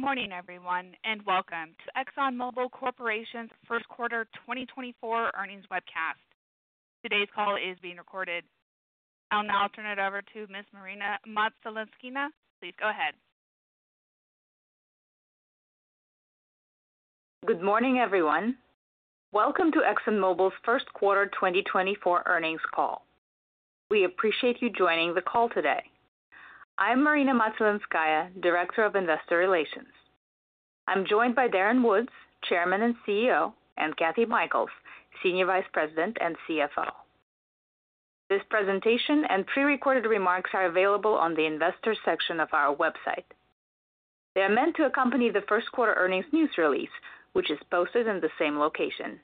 Good morning, everyone, and welcome to Exxon Mobil Corporation's 1Q 2024 earnings webcast. Today's call is being recorded. I'll now turn it over to Ms. Marina Maslinskaya. Please go ahead. Good morning, everyone. Welcome to ExxonMobil's 1Q 2024 earnings call. We appreciate you joining the call today. I'm Marina Matselinskaya, Director of Investor Relations. I'm joined by Darren Woods, Chairman and CEO, and Kathy Mikells, Senior Vice President and CFO. This presentation and prerecorded remarks are available on the investor section of our website. They are meant to accompany the 1Q earnings news release, which is posted in the same location.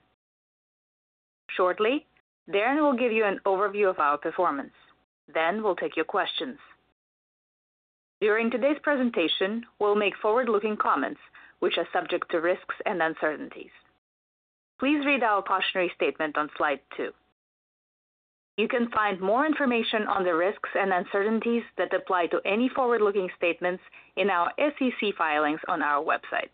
Shortly, Darren will give you an overview of our performance, then we'll take your questions. During today's presentation, we'll make forward-looking comments which are subject to risks and uncertainties. Please read our cautionary statement on slide two. You can find more information on the risks and uncertainties that apply to any forward-looking statements in our SEC filings on our website.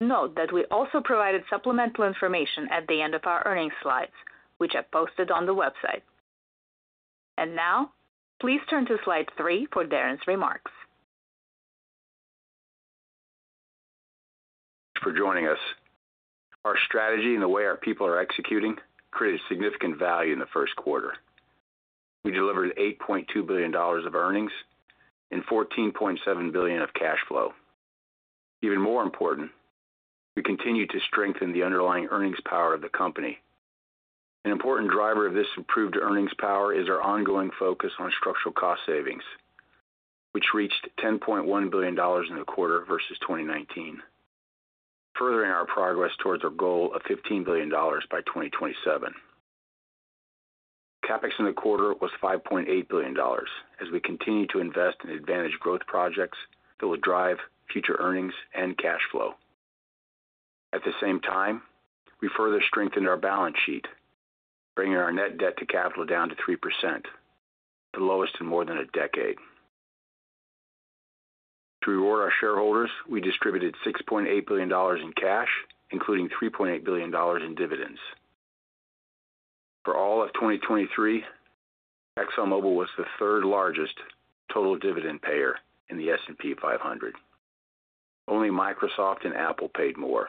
Note that we also provided supplemental information at the end of our earnings slides, which are posted on the website. Now please turn to slide three for Darren's remarks. For joining us. Our strategy and the way our people are executing created significant value in the 1Q. We delivered $8.2 billion of earnings and $14.7 billion of cash flow. Even more important, we continued to strengthen the underlying earnings power of the company. An important driver of this improved earnings power is our ongoing focus on structural cost savings, which reached $10.1 billion in the quarter versus 2019, furthering our progress towards our goal of $15 billion by 2027. CapEx in the quarter was $5.8 billion as we continued to invest in advantaged growth projects that will drive future earnings and cash flow. At the same time, we further strengthened our balance sheet, bringing our net debt to capital down to 3%, the lowest in more than a decade. To reward our shareholders, we distributed $6.8 billion in cash, including $3.8 billion in dividends. For all of 2023, ExxonMobil was the third-largest total dividend payer in the S&P 500. Only Microsoft and Apple paid more.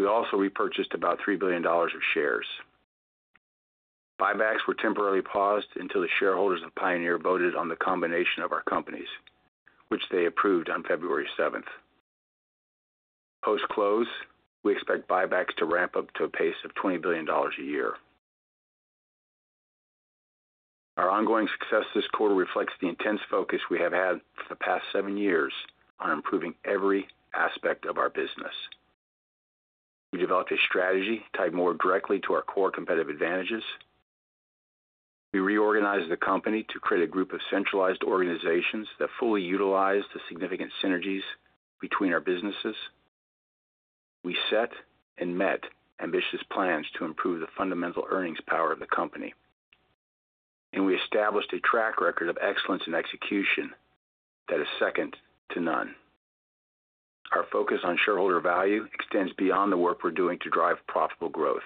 We also repurchased about $3 billion of shares. Buybacks were temporarily paused until the shareholders of Pioneer voted on the combination of our companies, which they approved on February seventh. Post-close, we expect buybacks to ramp up to a pace of $20 billion a year. Our ongoing success this quarter reflects the intense focus we have had for the past 7 years on improving every aspect of our business. We developed a strategy tied more directly to our core competitive advantages. We reorganized the company to create a group of centralized organizations that fully utilize the significant synergies between our businesses. We set and met ambitious plans to improve the fundamental earnings power of the company, and we established a track record of excellence and execution that is second to none. Our focus on shareholder value extends beyond the work we're doing to drive profitable growth.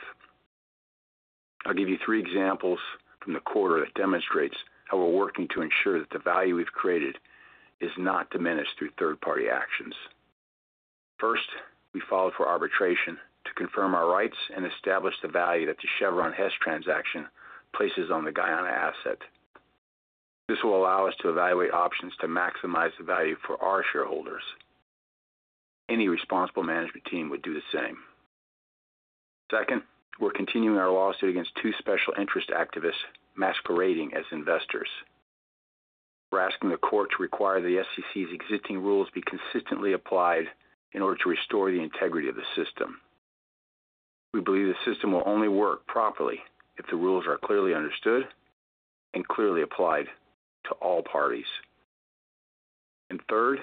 I'll give you three examples from the quarter that demonstrates how we're working to ensure that the value we've created is not diminished through third-party actions. First, we filed for arbitration to confirm our rights and establish the value that the Chevron Hess transaction places on the Guyana asset. This will allow us to evaluate options to maximize the value for our shareholders. Any responsible management team would do the same. Second, we're continuing our lawsuit against two special interest activists masquerading as investors. We're asking the court to require the SEC's existing rules be consistently applied in order to restore the integrity of the system. We believe the system will only work properly if the rules are clearly understood and clearly applied to all parties. And third,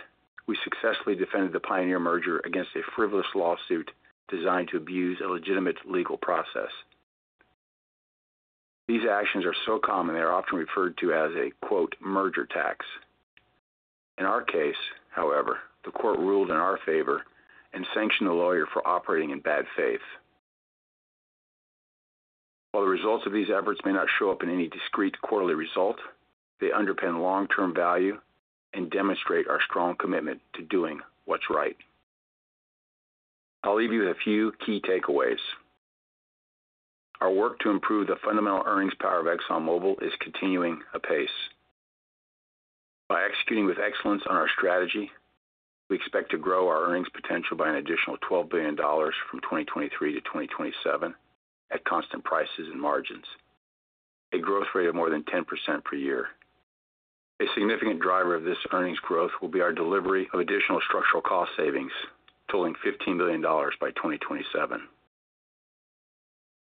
we successfully defended the Pioneer merger against a frivolous lawsuit designed to abuse a legitimate legal process. These actions are so common, they are often referred to as a "merger tax." In our case, however, the court ruled in our favor and sanctioned a lawyer for operating in bad faith. While the results of these efforts may not show up in any discrete quarterly result, they underpin long-term value and demonstrate our strong commitment to doing what's right. I'll leave you with a few key takeaways. Our work to improve the fundamental earnings power of ExxonMobil is continuing apace. By executing with excellence on our strategy, we expect to grow our earnings potential by an additional $12 billion from 2023 to 2027 at constant prices and margins, a growth rate of more than 10% per year. A significant driver of this earnings growth will be our delivery of additional structural cost savings totaling $15 billion by 2027.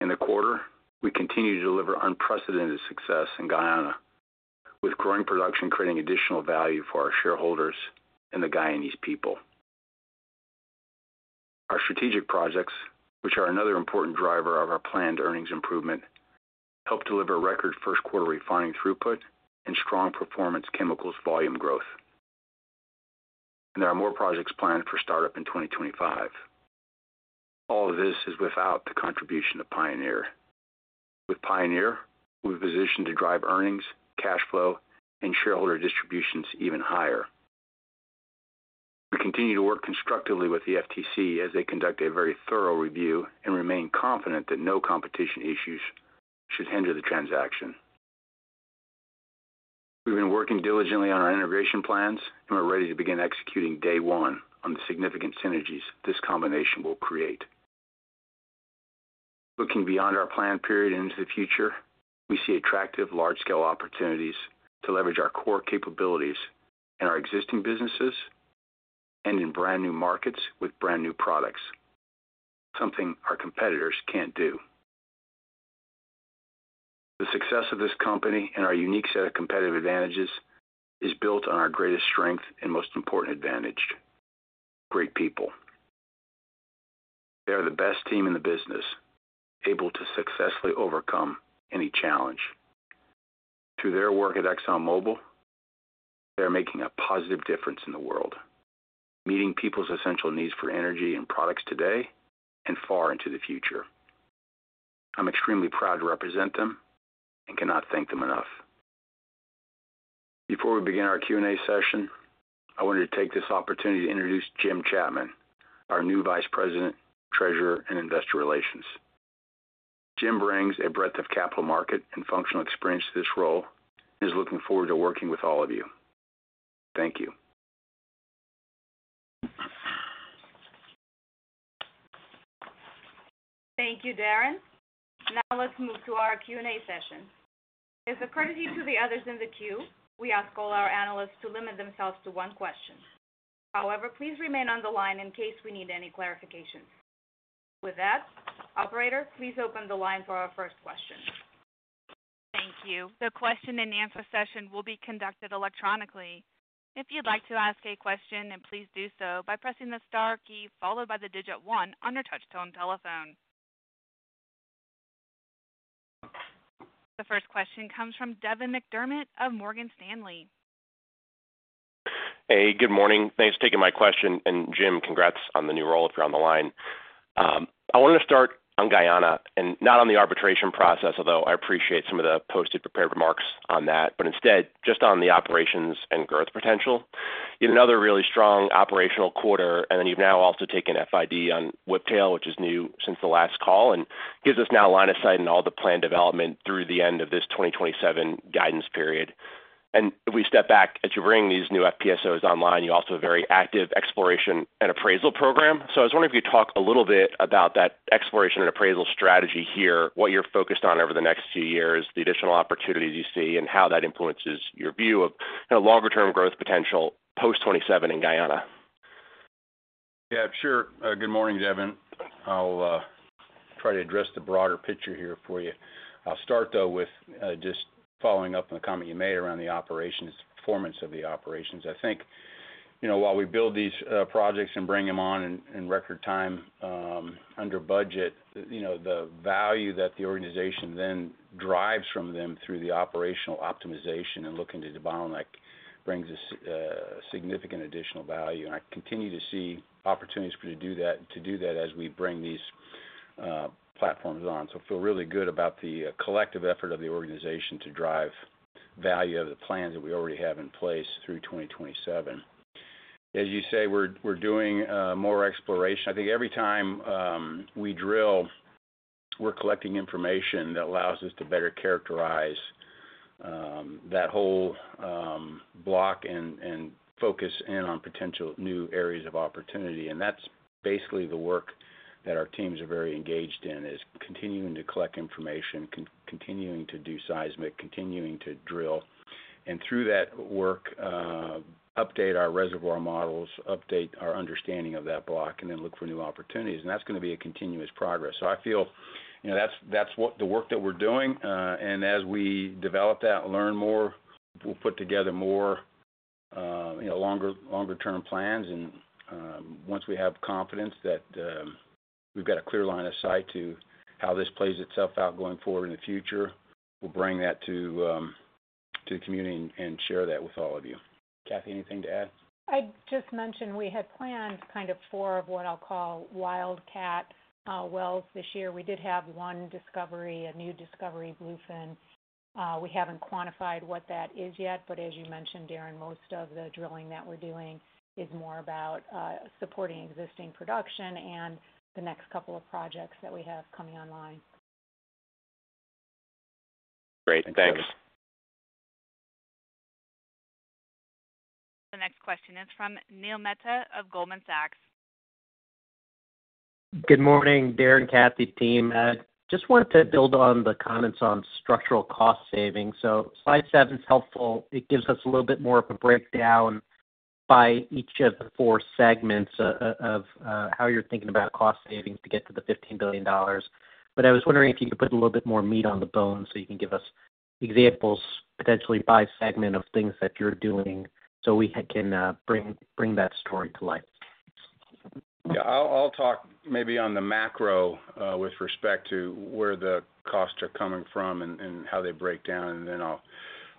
In the quarter, we continue to deliver unprecedented success in Guyana, with growing production creating additional value for our shareholders and the Guyanese people. Our strategic projects, which are another important driver of our planned earnings improvement, helped deliver record 1Q refining throughput and strong performance chemicals volume growth. There are more projects planned for startup in 2025. All of this is without the contribution of Pioneer. With Pioneer, we're positioned to drive earnings, cash flow, and shareholder distributions even higher. We continue to work constructively with the FTC as they conduct a very thorough review and remain confident that no competition issues should hinder the transaction. We've been working diligently on our integration plans, and we're ready to begin executing day one on the significant synergies this combination will create. Looking beyond our plan period into the future, we see attractive large-scale opportunities to leverage our core capabilities in our existing businesses and in brand new markets with brand new products, something our competitors can't do. The success of this company and our unique set of competitive advantages is built on our greatest strength and most important advantage, great people. They are the best team in the business, able to successfully overcome any challenge. Through their work at ExxonMobil, they are making a positive difference in the world, meeting people's essential needs for energy and products today and far into the future. I'm extremely proud to represent them and cannot thank them enough. Before we begin our Q&A session, I wanted to take this opportunity to introduce Jim Chapman, our new Vice President, Treasurer, and Investor Relations. Jim brings a breadth of capital market and functional experience to this role and is looking forward to working with all of you. Thank you. Thank you, Darren. Now let's move to our Q&A session. As a courtesy to the others in the queue, we ask all our analysts to limit themselves to one question. However, please remain on the line in case we need any clarification. With that, operator, please open the line for our first question. Thank you. The question-and-answer session will be conducted electronically. If you'd like to ask a question, then please do so by pressing the star key followed by the digit one on your touch-tone telephone. The first question comes from Devin McDermott of Morgan Stanley. Hey, good morning. Thanks for taking my question, and Jim, congrats on the new role if you're on the line. I wanted to start on Guyana, and not on the arbitration process, although I appreciate some of the posted prepared remarks on that, but instead, just on the operations and growth potential. Yet another really strong operational quarter, and then you've now also taken FID on Whiptail, which is new since the last call, and gives us now a line of sight in all the planned development through the end of this 2027 guidance period. If we step back, as you bring these new FPSOs online, you also have a very active exploration and appraisal program. I was wondering if you talk a little bit about that exploration and appraisal strategy here, what you're focused on over the next few years, the additional opportunities you see, and how that influences your view of kind of longer-term growth potential post-27 in Guyana. Yeah, sure. Good morning, Devin. I'll try to address the broader picture here for you. I'll start, though, with just following up on the comment you made around the operations, performance of the operations. I think, you know, while we build these projects and bring them on in record time, under budget, you know, the value that the organization then drives from them through the operational optimization and looking to the bottleneck brings us significant additional value. And I continue to see opportunities for to do that, to do that as we bring these platforms on. So I feel really good about the collective effort of the organization to drive value of the plans that we already have in place through 2027. As you say, we're doing more exploration. I think every time we drill, we're collecting information that allows us to better characterize that whole block and focus in on potential new areas of opportunity. And that's basically the work that our teams are very engaged in, is continuing to collect information, continuing to do seismic, continuing to drill, and through that work, update our reservoir models, update our understanding of that block, and then look for new opportunities. And that's gonna be a continuous progress. So I feel, you know, that's what the work that we're doing, and as we develop that and learn more, we'll put together more, you know, longer-term plans. Once we have confidence that we've got a clear line of sight to how this plays itself out going forward in the future, we'll bring that to the community and share that with all of you. Kathy, anything to add? I'd just mention we had planned kind of 4 of what I'll call wildcat wells this year. We did have 1 discovery, a new discovery, Bluefin. We haven't quantified what that is yet, but as you mentioned, Darren, most of the drilling that we're doing is more about supporting existing production and the next couple of projects that we have coming online. Great. Thanks. The next question is from Neil Mehta of Goldman Sachs. Good morning, Darren, Kathy, team. Just wanted to build on the comments on structural cost savings. Slide 7 is helpful. It gives us a little bit more of a breakdown by each of the four segments of how you're thinking about cost savings to get to the $15 billion. But I was wondering if you could put a little bit more meat on the bone so you can give us examples, potentially by segment of things that you're doing so we can bring that story to life. Yeah, I'll talk maybe on the macro with respect to where the costs are coming from and how they break down, and then I'll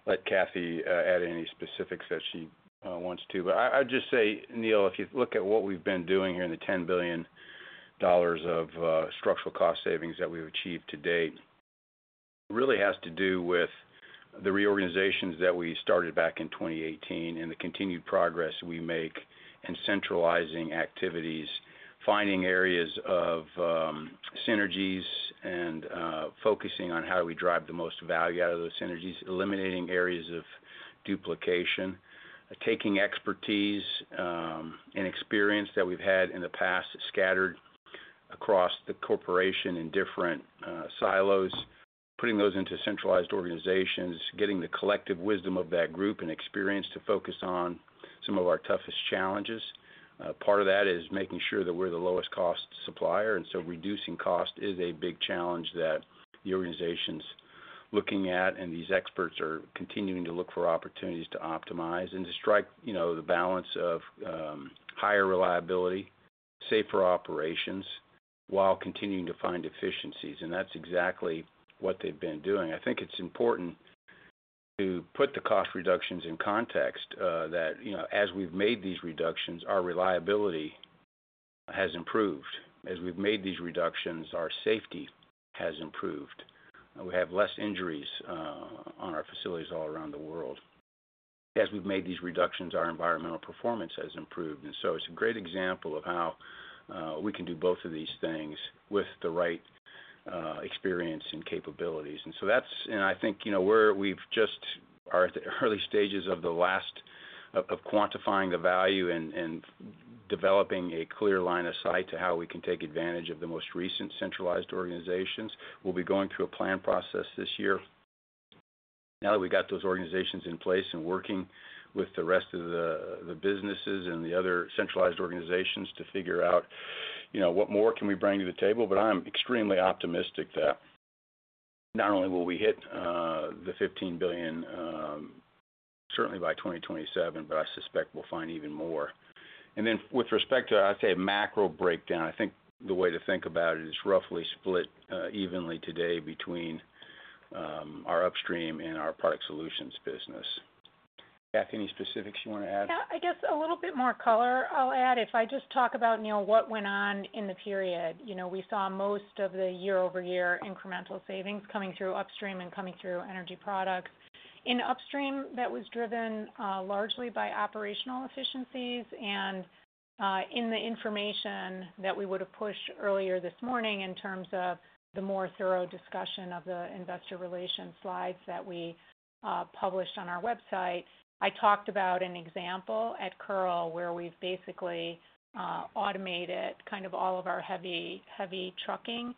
let Kathy add any specifics that she wants to. But I'd just say, Neil, if you look at what we've been doing here in the $10 billion of structural cost savings that we've achieved to date, really has to do with the reorganizations that we started back in 2018 and the continued progress we make in centralizing activities, finding areas of synergies and focusing on how we drive the most value out of those synergies, eliminating areas of duplication, taking expertise and experience that we've had in the past, scattered across the corporation in different silos, putting those into centralized organizations, getting the collective wisdom of that group and experience to focus on some of our toughest challenges. Part of that is making sure that we're the lowest cost supplier, and so reducing cost is a big challenge that the organization's looking at, and these experts are continuing to look for opportunities to optimize and to strike, you know, the balance of higher reliability, safer operations, while continuing to find efficiencies. And that's exactly what they've been doing. I think it's important to put the cost reductions in context, that, you know, as we've made these reductions, our reliability has improved. As we've made these reductions, our safety has improved, and we have less injuries on our facilities all around the world. As we've made these reductions, our environmental performance has improved. And so it's a great example of how we can do both of these things with the right experience and capabilities. I think, you know, we're just at the early stages of quantifying the value and developing a clear line of sight to how we can take advantage of the most recent centralized organizations. We'll be going through a plan process this year. Now that we got those organizations in place and working with the rest of the businesses and the other centralized organizations to figure out, you know, what more can we bring to the table. But I'm extremely optimistic that not only will we hit the $15 billion certainly by 2027, but I suspect we'll find even more. And then with respect to, I'd say, macro breakdown, I think the way to think about it is roughly split evenly today between our upstream and our product solutions business. Kathy, any specifics you wanna add? Yeah, I guess a little bit more color I'll add, if I just talk about, Neil, what went on in the period. You know, we saw most of the year-over-year incremental savings coming through upstream and coming through energy products. In upstream, that was driven largely by operational efficiencies, and in the information that we would have pushed earlier this morning in terms of the more thorough discussion of the investor relations slides that we published on our website, I talked about an example at Kearl, where we've basically automated kind of all of our heavy, heavy trucking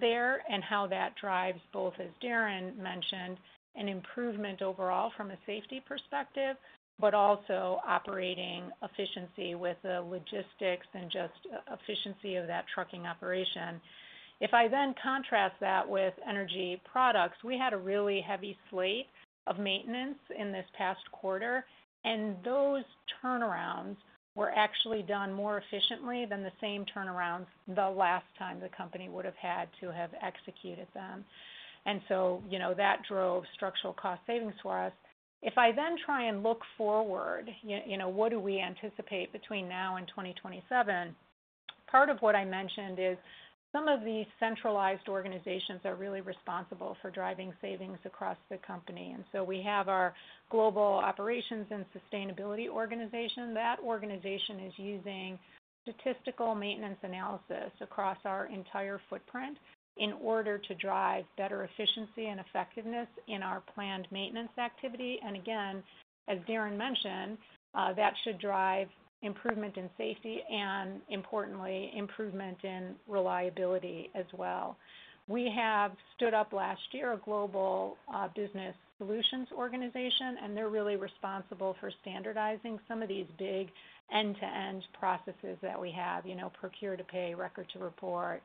there, and how that drives both, as Darren mentioned, an improvement overall from a safety perspective, but also operating efficiency with the logistics and just efficiency of that trucking operation. If I then contrast that with energy products, we had a really heavy slate of maintenance in this past quarter, and those turnarounds were actually done more efficiently than the same turnarounds the last time the company would have had to have executed them. And so, you know, that drove structural cost savings for us. If I then try and look forward, you know, what do we anticipate between now and 2027? Part of what I mentioned is some of these centralized organizations are really responsible for driving savings across the company. And so we have our Global Operations and Sustainability organization. That organization is using statistical maintenance analysis across our entire footprint in order to drive better efficiency and effectiveness in our planned maintenance activity. And again, as Darren mentioned, that should drive improvement in safety and importantly, improvement in reliability as well. We have stood up last year a Global Business Solutions organization, and they're really responsible for standardizing some of these big end-to-end processes that we have, you know, procure to pay, record to report,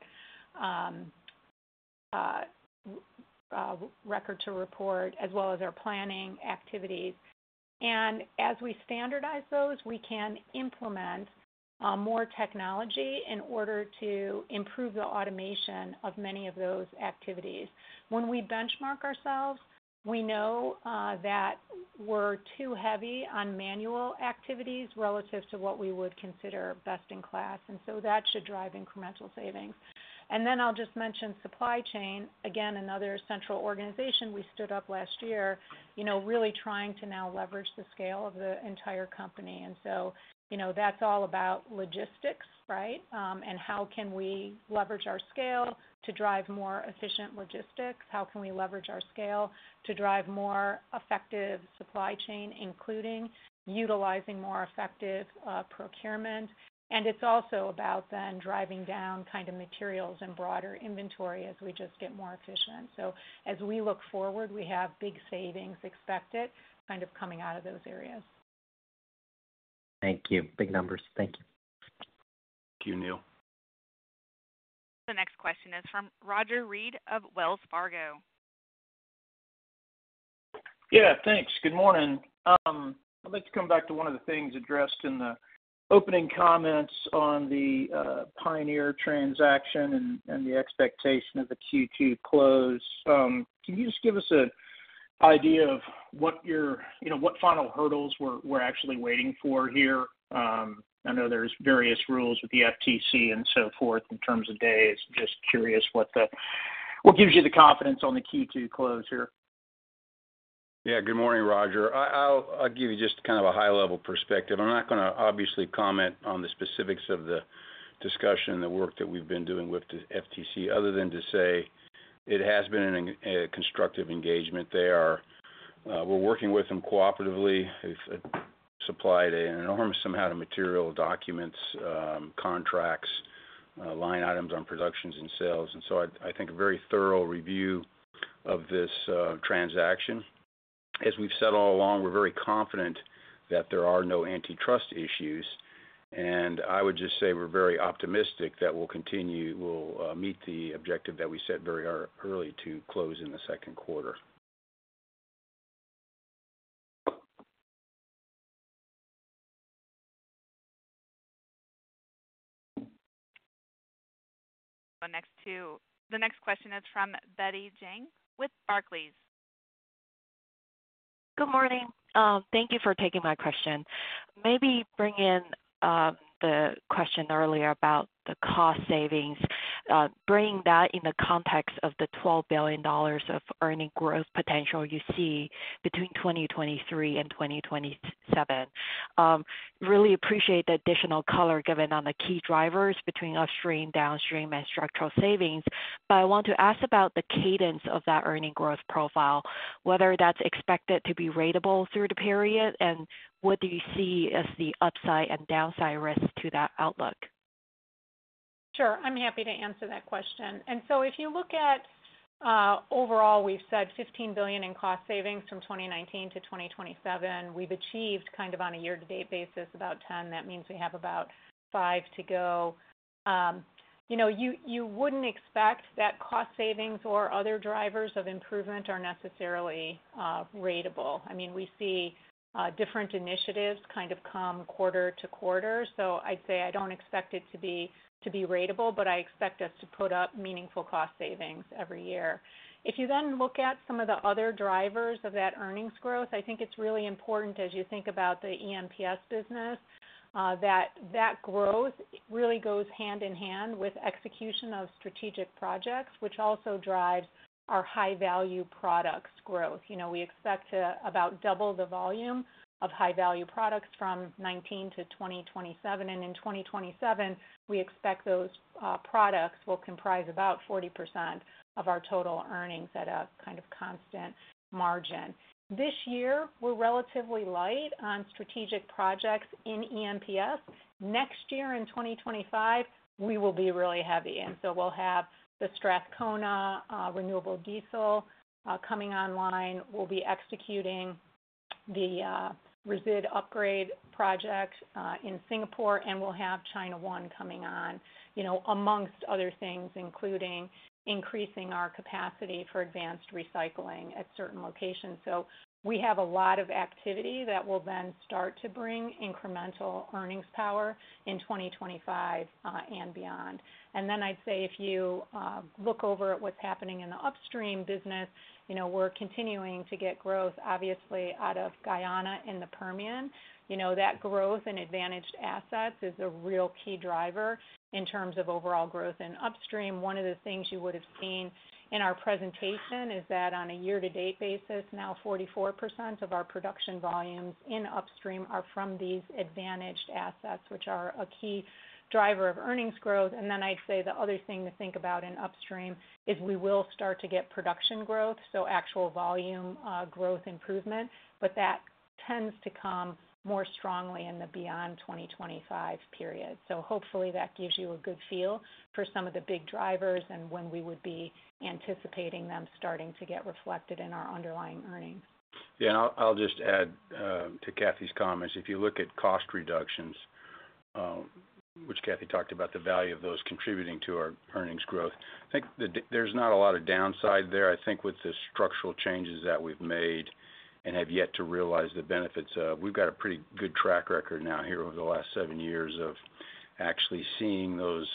as well as our planning activities. As we standardize those, we can implement more technology in order to improve the automation of many of those activities. When we benchmark ourselves, we know that we're too heavy on manual activities relative to what we would consider best in class, and so that should drive incremental savings. Then I'll just mention supply chain. Again, another central organization we stood up last year, you know, really trying to now leverage the scale of the entire company. So, you know, that's all about logistics, right? And how can we leverage our scale to drive more efficient logistics? How can we leverage our scale to drive more effective supply chain, including utilizing more effective procurement? And it's also about then driving down kind of materials and broader inventory as we just get more efficient. So as we look forward, we have big savings expected, kind of coming out of those areas. Thank you. Big numbers. Thank you. Thank you, Neil. The next question is from Roger Read of Wells Fargo. Yeah, thanks. Good morning. I'd like to come back to one of the things addressed in the opening comments on the Pioneer transaction and the expectation of the Q2 close. Can you just give us an idea of what your, you know, what final hurdles we're actually waiting for here? I know there's various rules with the FTC and so forth in terms of days. Just curious what gives you the confidence on the Q2 close here? Yeah. Good morning, Roger. I'll give you just kind of a high-level perspective. I'm not gonna obviously comment on the specifics of the discussion and the work that we've been doing with the FTC, other than to say it has been a constructive engagement. They are. We're working with them cooperatively. We've supplied an enormous amount of material, documents, contracts, line items on productions and sales, and so I think a very thorough review of this transaction. As we've said all along, we're very confident that there are no antitrust issues, and I would just say we're very optimistic that we'll continue. We'll meet the objective that we set very early to close in the second quarter. Next, the next question is from Betty Jiang with Barclays. Good morning. Thank you for taking my question. Maybe bring in the question earlier about the cost savings. Bringing that in the context of the $12 billion of earnings growth potential you see between 2023 and 2027. Really appreciate the additional color given on the key drivers between upstream, downstream, and structural savings, but I want to ask about the cadence of that earnings growth profile, whether that's expected to be ratable through the period, and what do you see as the upside and downside risks to that outlook? Sure, I'm happy to answer that question. So if you look at, overall, we've said $15 billion in cost savings from 2019 to 2027. We've achieved, kind of, on a year-to-date basis, about $10 billion. That means we have about $5 billion to go. You know, you, you wouldn't expect that cost savings or other drivers of improvement are necessarily, ratable. I mean, we see, different initiatives kind of come quarter-to-quarter. So I'd say I don't expect it to be, to be ratable, but I expect us to put up meaningful cost savings every year. If you then look at some of the other drivers of that earnings growth, I think it's really important as you think about the EMPS business, that that growth really goes hand-in-hand with execution of strategic projects, which also drives our high-value products growth. You know, we expect to about double the volume of high-value products from 2019 to 2027, and in 2027, we expect those products will comprise about 40% of our total earnings at a kind of constant margin. This year, we're relatively light on strategic projects in EMPS. Next year, in 2025, we will be really heavy, and so we'll have the Strathcona renewable diesel coming online. We'll be executing the Resid Upgrade Project in Singapore, and we'll have China One coming on, you know, amongst other things, including increasing our capacity for advanced recycling at certain locations. So we have a lot of activity that will then start to bring incremental earnings power in 2025 and beyond. And then I'd say if you look over at what's happening in the upstream business, you know, we're continuing to get growth, obviously, out of Guyana and the Permian. You know, that growth in advantaged assets is a real key driver in terms of overall growth in upstream. One of the things you would have seen in our presentation is that on a year-to-date basis, now 44% of our production volumes in upstream are from these advantaged assets, which are a key driver of earnings growth. And then I'd say the other thing to think about in upstream is we will start to get production growth, so actual volume, growth improvement, but that tends to come more strongly in the beyond 2025 period. Hopefully that gives you a good feel for some of the big drivers and when we would be anticipating them starting to get reflected in our underlying earnings. Yeah, I'll just add to Kathy's comments. If you look at cost reductions, which Kathy talked about the value of those contributing to our earnings growth, I think there's not a lot of downside there. I think with the structural changes that we've made and have yet to realize the benefits of, we've got a pretty good track record now here over the last seven years of actually seeing those,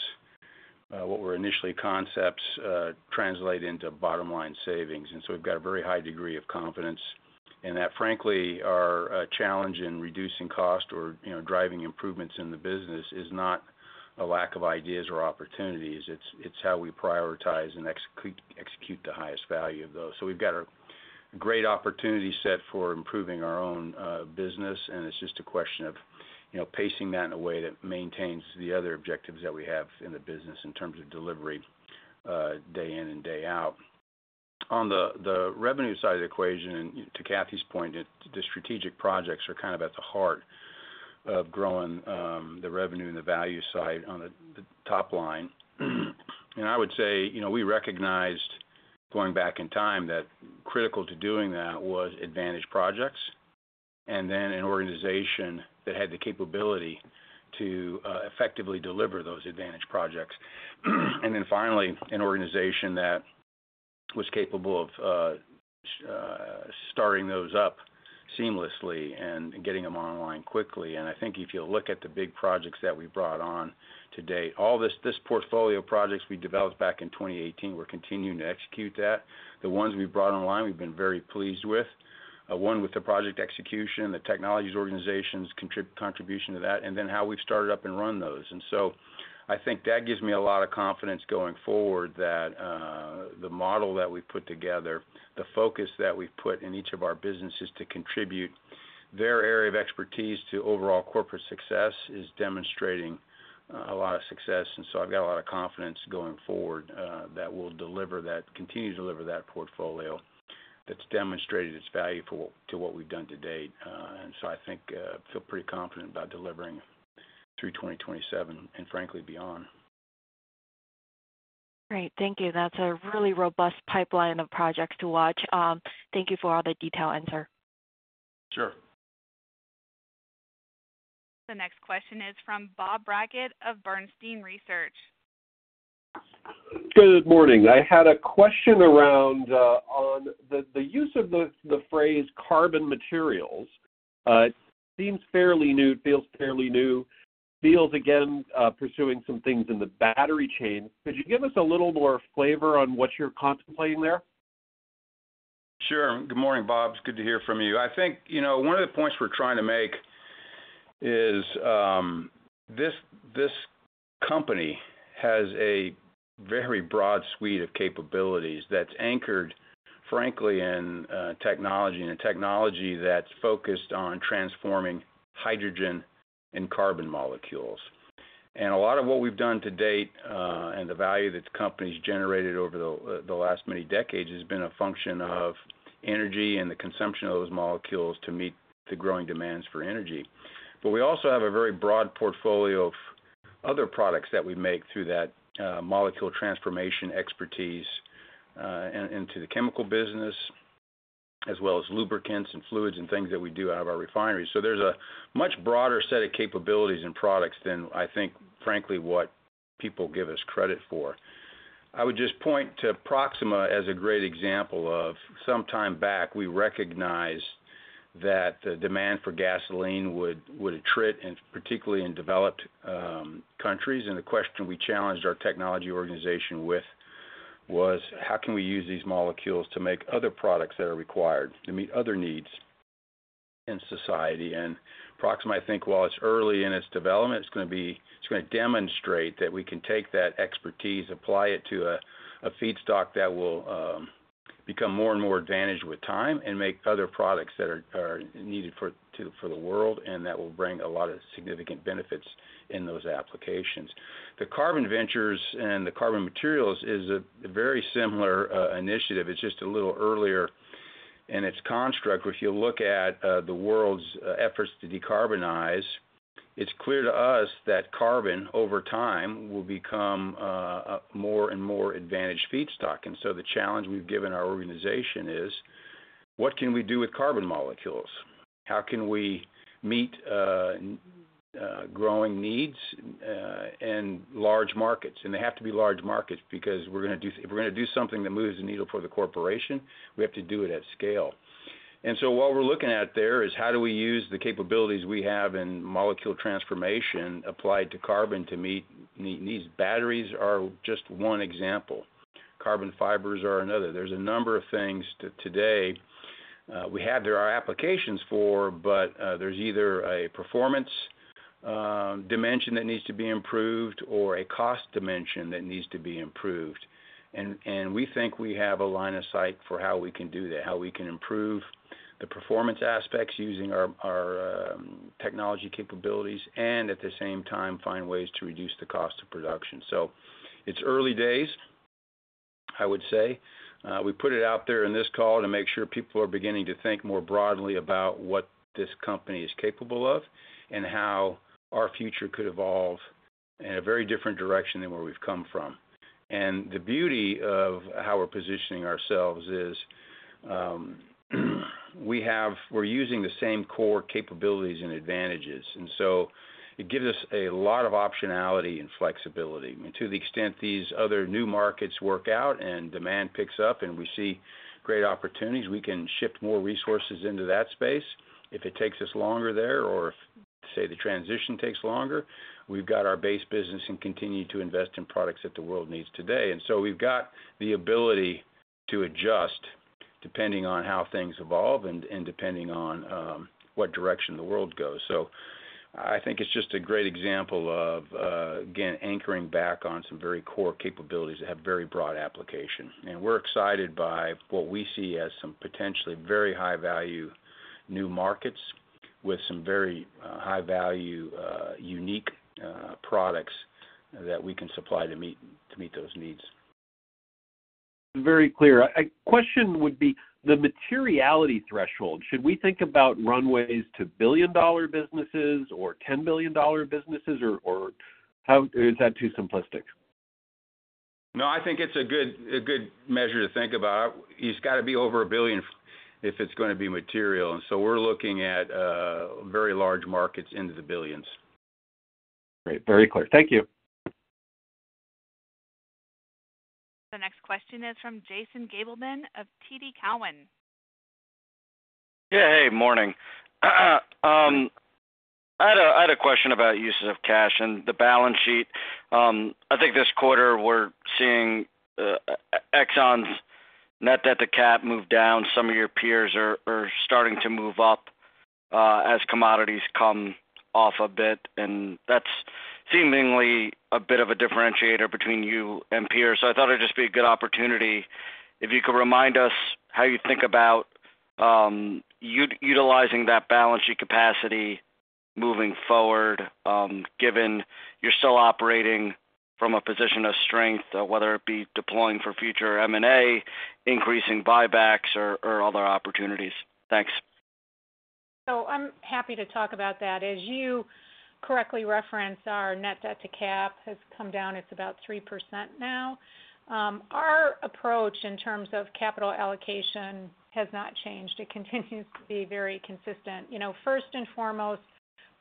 what were initially concepts, translate into bottom-line savings. And so we've got a very high degree of confidence in that. Frankly, our challenge in reducing cost or, you know, driving improvements in the business is not a lack of ideas or opportunities, it's how we prioritize and execute the highest value of those. So we've got a great opportunity set for improving our own business, and it's just a question of, you know, pacing that in a way that maintains the other objectives that we have in the business in terms of delivery, day in and day out. On the revenue side of the equation, and to Kathy's point, the strategic projects are kind of at the heart of growing the revenue and the value side on the top line. And I would say, you know, we recognized going back in time, that critical to doing that was advantaged projects... and then an organization that had the capability to effectively deliver those advantaged projects. And then finally, an organization that was capable of starting those up seamlessly and getting them online quickly. I think if you look at the big projects that we brought on to date, all this, this portfolio of projects we developed back in 2018, we're continuing to execute that. The ones we've brought online, we've been very pleased with. One, with the project execution, the technologies organization's contribution to that, and then how we've started up and run those. And so I think that gives me a lot of confidence going forward, that the model that we've put together, the focus that we've put in each of our businesses to contribute their area of expertise to overall corporate success, is demonstrating a lot of success. And so I've got a lot of confidence going forward that we'll deliver that, continue to deliver that portfolio that's demonstrated its value for to what we've done to date. So I think, I feel pretty confident about delivering through 2027, and frankly, beyond. Great. Thank you. That's a really robust pipeline of projects to watch. Thank you for all the detail, Answer. Sure. The next question is from Bob Brackett of Bernstein Research. Good morning. I had a question around, on the, the use of the, the phrase carbon materials. It seems fairly new, it feels fairly new. Feels again, pursuing some things in the battery chain. Could you give us a little more flavor on what you're contemplating there? Sure. Good morning, Bob. It's good to hear from you. I think, you know, one of the points we're trying to make is this company has a very broad suite of capabilities that's anchored, frankly, in technology, and a technology that's focused on transforming hydrogen and carbon molecules. A lot of what we've done to date, and the value that the company's generated over the last many decades, has been a function of energy and the consumption of those molecules to meet the growing demands for energy. But we also have a very broad portfolio of other products that we make through that molecule transformation expertise, into the chemical business, as well as lubricants and fluids and things that we do out of our refineries. So there's a much broader set of capabilities and products than I think, frankly, what people give us credit for. I would just point to Proxxima as a great example of some time back, we recognized that the demand for gasoline would attrit, and particularly in developed countries. And the question we challenged our technology organization with was: How can we use these molecules to make other products that are required to meet other needs in society? And Proxxima, I think while it's early in its development, it's gonna demonstrate that we can take that expertise, apply it to a feedstock that will become more and more advantaged with time, and make other products that are needed for the world, and that will bring a lot of significant benefits in those applications. The carbon ventures and the carbon materials is a very similar initiative. It's just a little earlier in its construct. If you look at the world's efforts to decarbonize, it's clear to us that carbon, over time, will become a more and more advantaged feedstock. And so the challenge we've given our organization is: What can we do with carbon molecules? How can we meet growing needs and large markets? And they have to be large markets, because if we're gonna do something that moves the needle for the corporation, we have to do it at scale. And so what we're looking at there is, how do we use the capabilities we have in molecule transformation applied to carbon to meet needs? Batteries are just one example. Carbon fibers are another. There's a number of things that today we have there are applications for, but there's either a performance dimension that needs to be improved or a cost dimension that needs to be improved. And we think we have a line of sight for how we can do that, how we can improve the performance aspects using our technology capabilities, and at the same time, find ways to reduce the cost of production. So it's early days, I would say. We put it out there in this call to make sure people are beginning to think more broadly about what this company is capable of, and how our future could evolve in a very different direction than where we've come from. The beauty of how we're positioning ourselves is, we're using the same core capabilities and advantages, and so it gives us a lot of optionality and flexibility. I mean, to the extent these other new markets work out and demand picks up and we see great opportunities, we can shift more resources into that space. If it takes us longer there, or if, say, the transition takes longer, we've got our base business and continue to invest in products that the world needs today. And so we've got the ability to adjust depending on how things evolve and, and depending on, what direction the world goes. So I think it's just a great example of, again, anchoring back on some very core capabilities that have very broad application. We're excited by what we see as some potentially very high-value new markets with some very high-value unique products that we can supply to meet those needs. Very clear. A question would be the materiality threshold. Should we think about runways to $1 billion businesses or $10 billion businesses? Or, or how... Is that too simplistic? No, I think it's a good, a good measure to think about. It's gotta be over a billion if it's gonna be material. So we're looking at very large markets into the billions. Great. Very clear. Thank you. The next question is from Jason Gabelman of TD Cowen. Yeah, hey, morning. I had a question about uses of cash and the balance sheet. I think this quarter, we're seeing Exxon's net debt to cap move down. Some of your peers are starting to move up as commodities come off a bit, and that's seemingly a bit of a differentiator between you and peers. So I thought it'd just be a good opportunity if you could remind us how you think about utilizing that balance sheet capacity moving forward, given you're still operating from a position of strength, whether it be deploying for future M&A, increasing buybacks or other opportunities. Thanks. So I'm happy to talk about that. As you correctly referenced, our net debt to cap has come down. It's about 3% now. Our approach in terms of capital allocation has not changed. It continues to be very consistent. You know, first and foremost,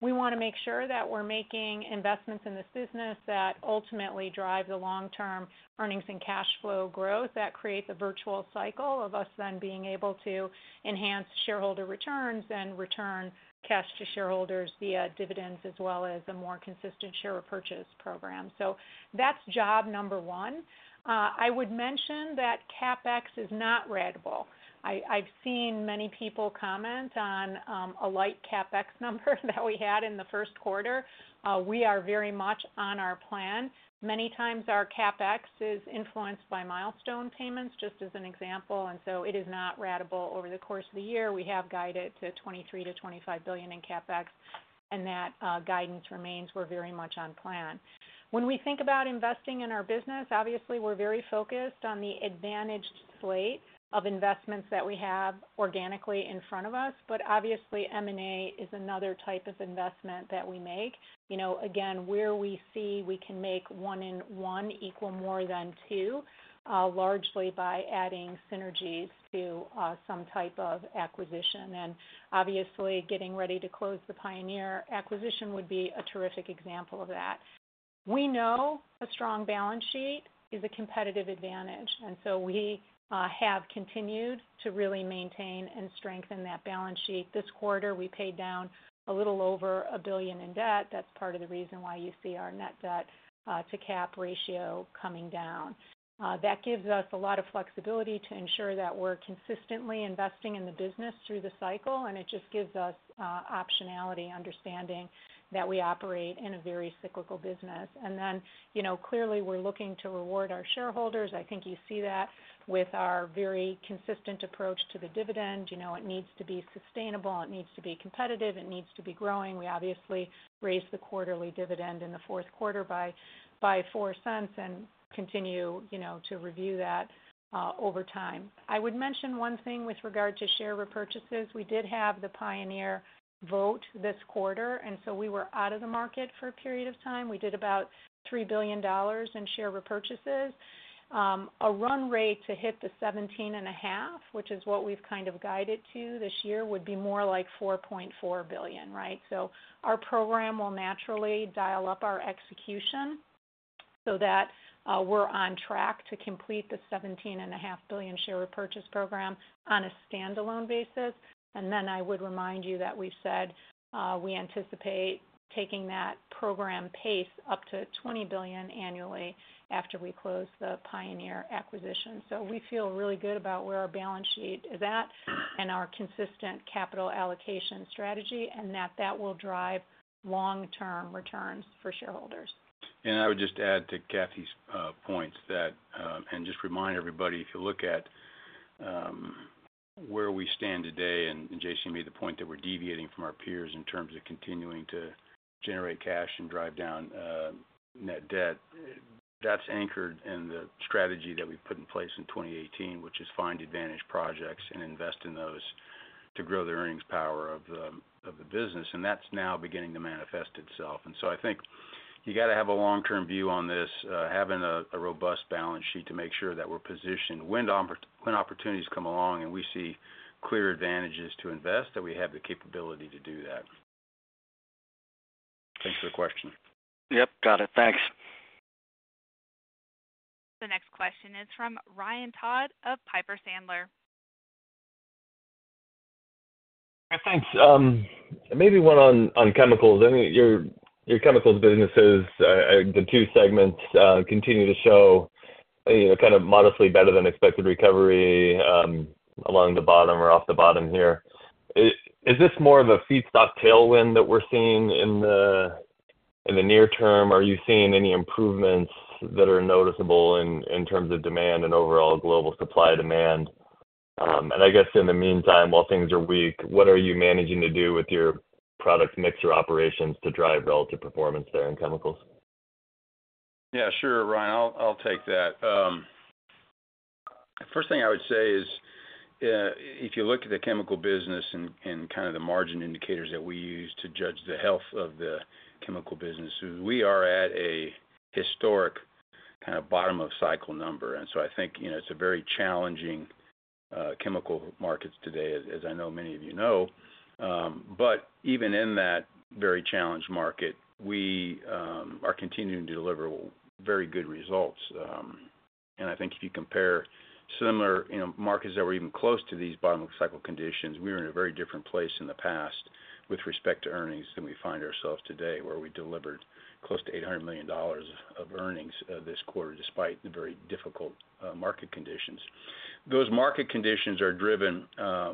we wanna make sure that we're making investments in this business that ultimately drive the long-term earnings and cash flow growth that creates a virtuous cycle of us then being able to enhance shareholder returns and return cash to shareholders via dividends, as well as a more consistent share repurchase program. So that's job number one. I would mention that CapEx is not ratable. I've seen many people comment on a light CapEx number that we had in the 1Q. We are very much on our plan. Many times our CapEx is influenced by milestone payments, just as an example, and so it is not ratable. Over the course of the year, we have guided to $23 billion-$25 billion in CapEx, and that, guidance remains. We're very much on plan. When we think about investing in our business, obviously, we're very focused on the advantaged slate of investments that we have organically in front of us. But obviously, M&A is another type of investment that we make. You know, again, where we see we can make one and one equal more than two, largely by adding synergies to, some type of acquisition. And obviously, getting ready to close the Pioneer acquisition would be a terrific example of that. We know a strong balance sheet is a competitive advantage, and so we, have continued to really maintain and strengthen that balance sheet. This quarter, we paid down a little over $1 billion in debt. That's part of the reason why you see our net debt to cap ratio coming down. That gives us a lot of flexibility to ensure that we're consistently investing in the business through the cycle, and it just gives us optionality, understanding that we operate in a very cyclical business. And then, you know, clearly, we're looking to reward our shareholders. I think you see that with our very consistent approach to the dividend. You know, it needs to be sustainable, it needs to be competitive, it needs to be growing. We obviously raised the quarterly dividend in the 4Q by $0.04 and continue, you know, to review that over time. I would mention one thing with regard to share repurchases. We did have the Pioneer vote this quarter, and so we were out of the market for a period of time. We did about $3 billion in share repurchases. A run rate to hit the 17.5, which is what we've kind of guided to this year, would be more like $4.4 billion, right? So our program will naturally dial up our execution so that we're on track to complete the $17.5 billion share repurchase program on a standalone basis. And then I would remind you that we've said we anticipate taking that program pace up to $20 billion annually after we close the Pioneer acquisition. So we feel really good about where our balance sheet is at and our consistent capital allocation strategy, and that that will drive long-term returns for shareholders. I would just add to Kathy's points that and just remind everybody, if you look at where we stand today, and Jason made the point that we're deviating from our peers in terms of continuing to generate cash and drive down net debt, that's anchored in the strategy that we've put in place in 2018, which is find advantage projects and invest in those to grow the earnings power of the business, and that's now beginning to manifest itself. So I think you gotta have a long-term view on this, having a robust balance sheet to make sure that we're positioned when opportunities come along and we see clear advantages to invest, that we have the capability to do that. Thanks for the question. Yep, got it. Thanks. The next question is from Ryan Todd of Piper Sandler. Thanks. Maybe one on chemicals. I mean, your chemicals businesses, the two segments continue to show, you know, kind of modestly better than expected recovery along the bottom or off the bottom here. Is this more of a feedstock tailwind that we're seeing in the near term? Are you seeing any improvements that are noticeable in terms of demand and overall global supply demand? And I guess in the meantime, while things are weak, what are you managing to do with your product mixer operations to drive relative performance there in chemicals? Yeah, sure, Ryan, I'll, I'll take that. First thing I would say is, if you look at the chemical business and kind of the margin indicators that we use to judge the health of the chemical business, we are at a historic kind of bottom of cycle number. And so I think, you know, it's a very challenging chemical markets today, as I know many of you know. But even in that very challenged market, we are continuing to deliver very good results. And I think if you compare similar, you know, markets that were even close to these bottom cycle conditions, we were in a very different place in the past with respect to earnings than we find ourselves today, where we delivered close to $800 million of earnings this quarter, despite the very difficult market conditions. Those market conditions are driven,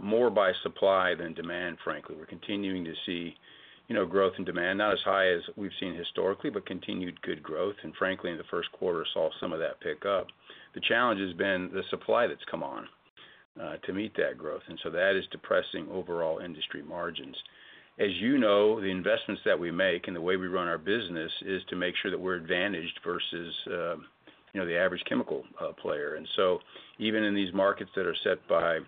more by supply than demand, frankly. We're continuing to see, you know, growth in demand, not as high as we've seen historically, but continued good growth. And frankly, in the 1Q, saw some of that pick up. The challenge has been the supply that's come on, to meet that growth, and so that is depressing overall industry margins. As you know, the investments that we make and the way we run our business is to make sure that we're advantaged versus, you know, the average chemical player. And so even in these markets that are set by,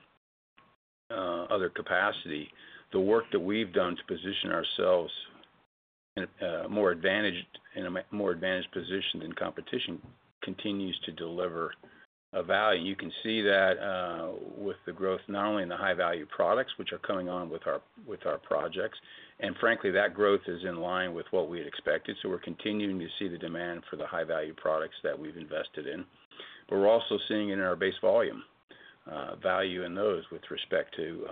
other capacity, the work that we've done to position ourselves in a more advantaged position than competition, continues to deliver a value. You can see that, with the growth, not only in the high value products, which are coming on with our, with our projects, and frankly, that growth is in line with what we had expected. So we're continuing to see the demand for the high value products that we've invested in. But we're also seeing in our base volume, value in those with respect to,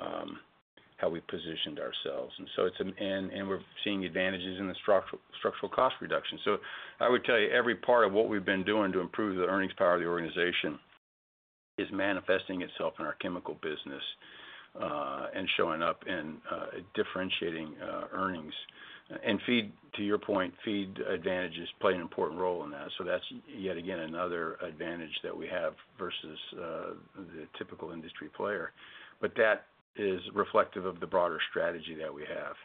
how we positioned ourselves. And so it's, and we're seeing advantages in the structural cost reduction. So I would tell you, every part of what we've been doing to improve the earnings power of the organization is manifesting itself in our chemical business, and showing up in, differentiating, earnings. And feed, to your point, feed advantages play an important role in that. So that's yet again another advantage that we have versus the typical industry player. But that is reflective of the broader strategy that we have.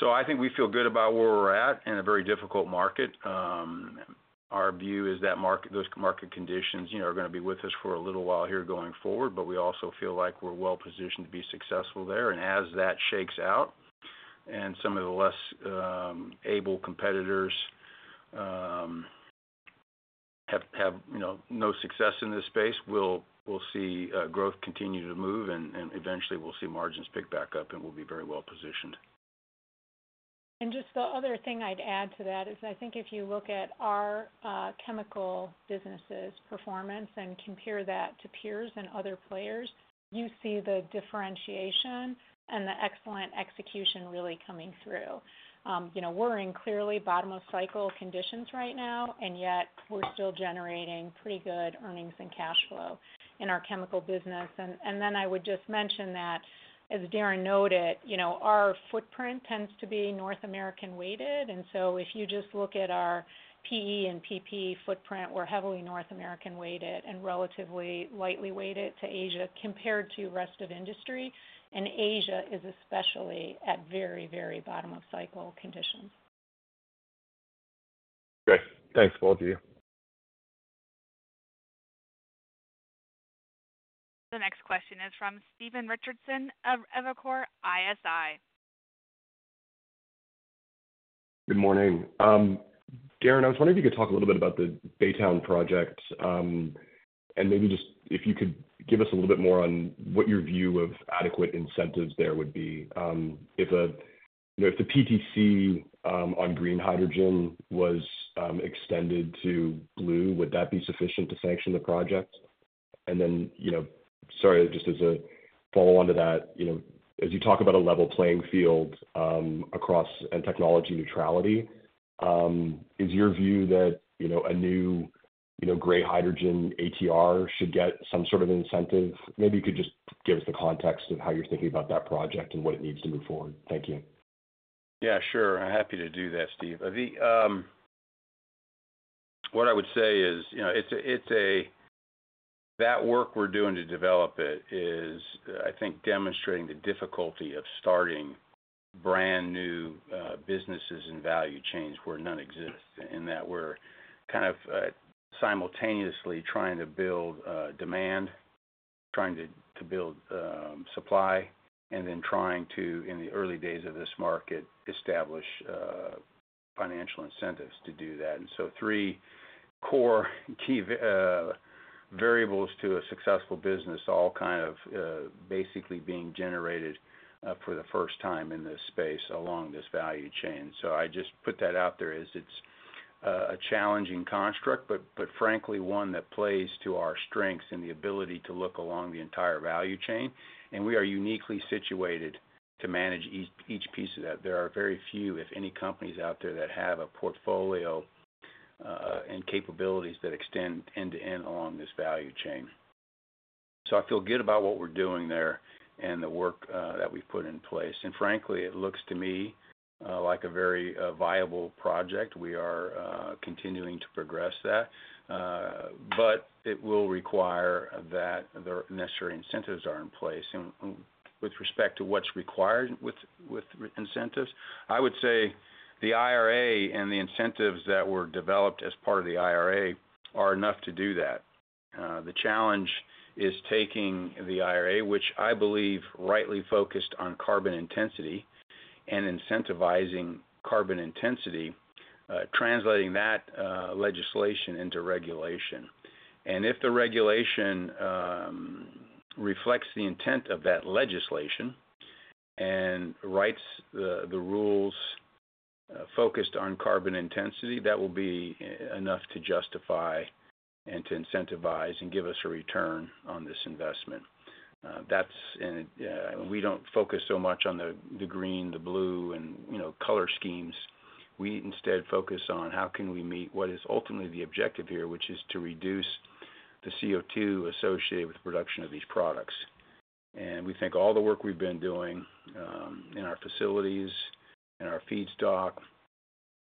So I think we feel good about where we're at in a very difficult market. Our view is that those market conditions, you know, are gonna be with us for a little while here going forward, but we also feel like we're well positioned to be successful there. And as that shakes out and some of the less able competitors have, you know, no success in this space, we'll see growth continue to move and eventually we'll see margins pick back up, and we'll be very well positioned. And just the other thing I'd add to that is, I think if you look at our chemical business's performance and compare that to peers and other players, you see the differentiation and the excellent execution really coming through. You know, we're in clearly bottom of cycle conditions right now, and yet we're still generating pretty good earnings and cash flow in our chemical business. And, and then I would just mention that, as Darren noted, you know, our footprint tends to be North American weighted. And so if you just look at our PE and PP footprint, we're heavily North American weighted and relatively lightly weighted to Asia, compared to rest of industry. And Asia is especially at very, very bottom of cycle conditions. Great. Thanks, both of you. The next question is from Stephen Richardson of Evercore ISI. Good morning. Darren, I was wondering if you could talk a little bit about the Baytown project. And maybe just if you could give us a little bit more on what your view of adequate incentives there would be. If the, you know, if the PTC on green hydrogen was extended to blue, would that be sufficient to sanction the project? And then, you know, sorry, just as a follow-on to that, you know, as you talk about a level playing field across and technology neutrality, is your view that, you know, a new, you know, gray hydrogen ATR should get some sort of incentive? Maybe you could just give us the context of how you're thinking about that project and what it needs to move forward. Thank you. Yeah, sure. I'm happy to do that, Steve. I think, what I would say is, you know, that work we're doing to develop it is, I think, demonstrating the difficulty of starting brand-new businesses and value chains where none exist. In that we're kind of simultaneously trying to build demand, trying to build supply, and then trying to, in the early days of this market, establish financial incentives to do that. And so three core key variables to a successful business, all kind of basically being generated for the first time in this space, along this value chain. So I just put that out there as it's a challenging construct, but frankly, one that plays to our strengths and the ability to look along the entire value chain, and we are uniquely situated to manage each piece of that. There are very few, if any, companies out there that have a portfolio and capabilities that extend end-to-end along this value chain. So I feel good about what we're doing there and the work that we've put in place. And frankly, it looks to me like a very viable project. We are continuing to progress that, but it will require that the necessary incentives are in place. And with respect to what's required with incentives, I would say the IRA and the incentives that were developed as part of the IRA are enough to do that. The challenge is taking the IRA, which I believe rightly focused on carbon intensity and incentivizing carbon intensity, translating that legislation into regulation. And if the regulation reflects the intent of that legislation and writes the rules focused on carbon intensity, that will be enough to justify and to incentivize and give us a return on this investment. That's, and we don't focus so much on the green, the blue, and, you know, color schemes. We instead focus on how can we meet what is ultimately the objective here, which is to reduce the CO2 associated with the production of these products. And we think all the work we've been doing in our facilities and our feedstock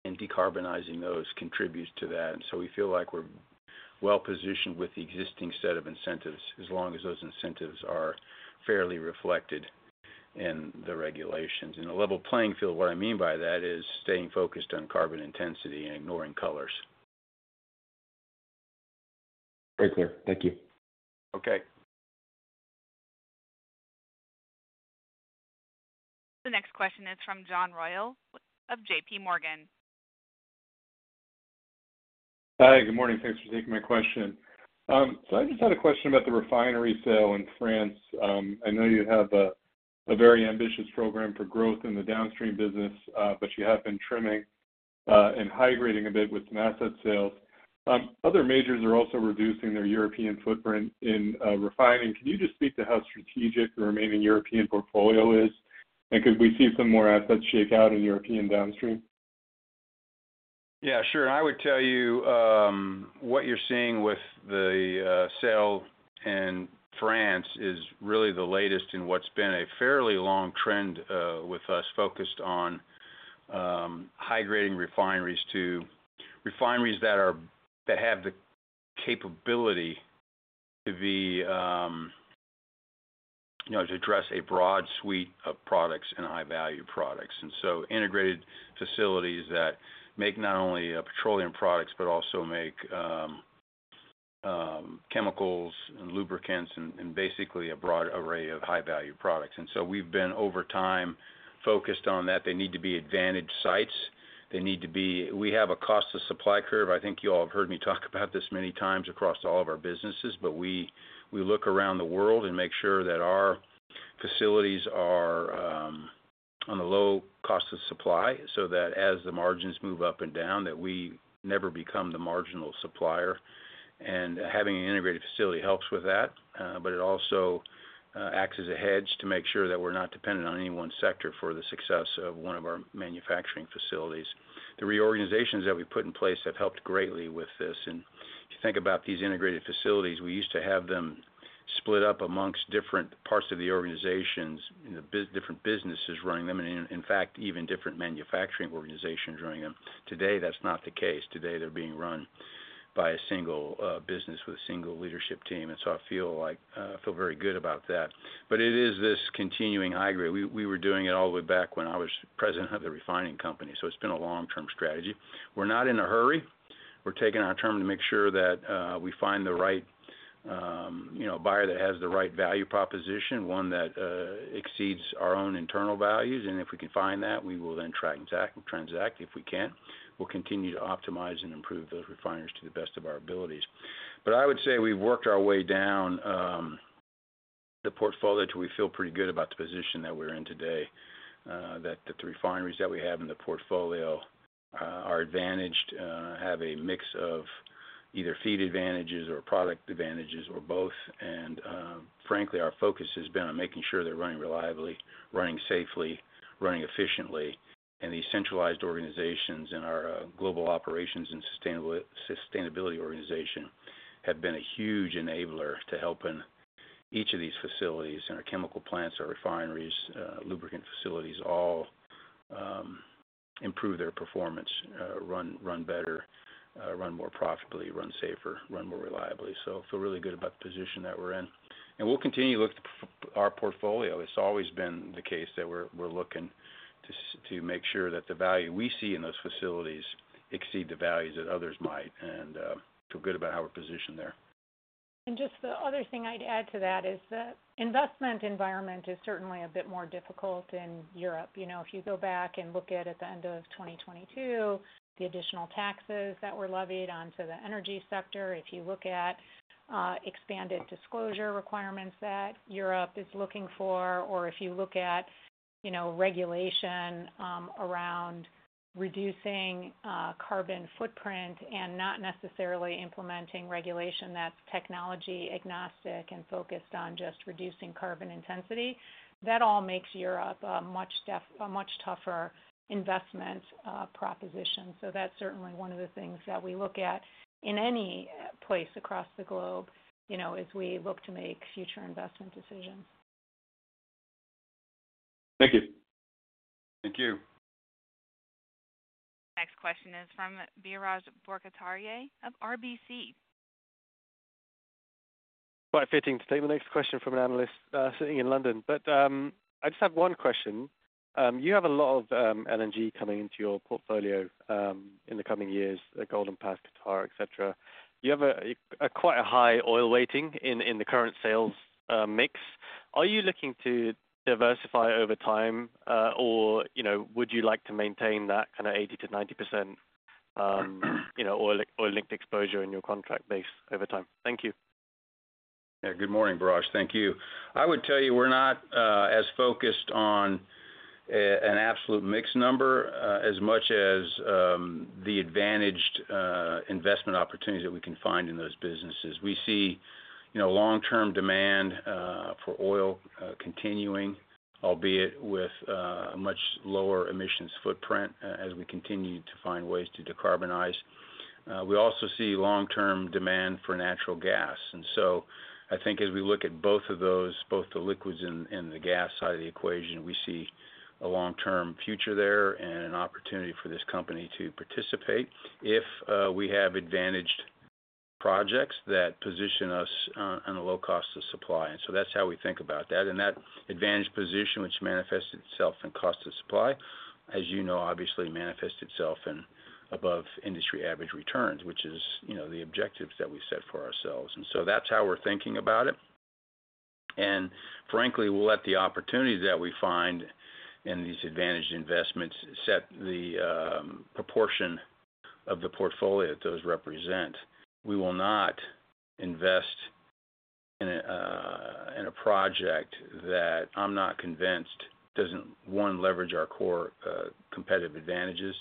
and decarbonizing those contributes to that. And so we feel like we're well-positioned with the existing set of incentives, as long as those incentives are fairly reflected in the regulations. And a level playing field, what I mean by that is staying focused on carbon intensity and ignoring colors. Very clear. Thank you. Okay. The next question is from John Royal of JPMorgan. Hi, good morning. Thanks for taking my question. I just had a question about the refinery sale in France. I know you have a very ambitious program for growth in the downstream business, but you have been trimming and high-grading a bit with some asset sales. Other majors are also reducing their European footprint in refining. Can you just speak to how strategic the remaining European portfolio is? And could we see some more assets shake out in European downstream? Yeah, sure. I would tell you what you're seeing with the sale in France is really the latest in what's been a fairly long trend with us, focused on high-grading refineries to refineries that are- that have the capability to be, you know, to address a broad suite of products and high-value products. And so integrated facilities that make not only petroleum products, but also make chemicals and lubricants and basically a broad array of high-value products. And so we've been, over time, focused on that. They need to be advantaged sites. They need to be-- we have a cost of supply curve. I think you all have heard me talk about this many times across all of our businesses, but we, we look around the world and make sure that our facilities are on the low cost of supply, so that as the margins move up and down, that we never become the marginal supplier. Having an integrated facility helps with that, but it also acts as a hedge to make sure that we're not dependent on any one sector for the success of one of our manufacturing facilities. The reorganizations that we've put in place have helped greatly with this, and if you think about these integrated facilities, we used to have them split up amongst different parts of the organizations, you know, different businesses running them, and in, in fact, even different manufacturing organizations running them. Today, that's not the case. Today, they're being run by a single business with a single leadership team, and so I feel like I feel very good about that. But it is this continuing high grade. We were doing it all the way back when I was president of the refining company, so it's been a long-term strategy. We're not in a hurry. We're taking our time to make sure that we find the right, you know, buyer that has the right value proposition, one that exceeds our own internal values. And if we can find that, we will then transact. If we can't, we'll continue to optimize and improve those refineries to the best of our abilities. But I would say we've worked our way down the portfolio till we feel pretty good about the position that we're in today. That the three refineries that we have in the portfolio are advantaged, have a mix of either feed advantages or product advantages or both. Frankly, our focus has been on making sure they're running reliably, running safely, running efficiently. These centralized organizations in our Global Operations and Sustainability organization have been a huge enabler to helping each of these facilities, and our chemical plants, our refineries, lubricant facilities, all improve their performance, run better, run more profitably, run safer, run more reliably. So I feel really good about the position that we're in. We'll continue to look at our portfolio. It's always been the case that we're looking to make sure that the value we see in those facilities exceed the values that others might, and feel good about how we're positioned there. Just the other thing I'd add to that is the investment environment is certainly a bit more difficult in Europe. You know, if you go back and look at the end of 2022, the additional taxes that were levied onto the energy sector, if you look at expanded disclosure requirements that Europe is looking for, or if you look at, you know, regulation around reducing carbon footprint and not necessarily implementing regulation that's technology agnostic and focused on just reducing carbon intensity, that all makes Europe a much tougher investment proposition. So that's certainly one of the things that we look at in any place across the globe, you know, as we look to make future investment decisions. Thank you. Thank you. Next question is from Biraj Borkhataria of RBC. Quite fitting to take the next question from an analyst sitting in London. But I just have one question. You have a lot of LNG coming into your portfolio in the coming years, the Golden Pass, Qatar, et cetera. You have quite a high oil weighting in the current sales mix. Are you looking to diversify over time? Or, you know, would you like to maintain that kind of 80%-90%, you know, oil, oil-linked exposure in your contract base over time? Thank you. Yeah, good morning, Biraj. Thank you. I would tell you, we're not as focused on an absolute mix number as much as the advantaged investment opportunities that we can find in those businesses. We see, you know, long-term demand for oil continuing, albeit with a much lower emissions footprint as we continue to find ways to decarbonize. We also see long-term demand for natural gas. And so I think as we look at both of those, both the liquids and the gas side of the equation, we see a long-term future there and an opportunity for this company to participate if we have advantaged projects that position us on a low cost of supply. And so that's how we think about that. And that advantaged position, which manifests itself in cost of supply, as you know, obviously manifests itself in above industry average returns, which is, you know, the objectives that we set for ourselves. And so that's how we're thinking about it. And frankly, we'll let the opportunities that we find in these advantaged investments set the, proportion of the portfolio that those represent. We will not invest in a, in a project that I'm not convinced doesn't, one, leverage our core, competitive advantages,